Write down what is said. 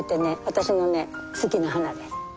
私の好きな花です。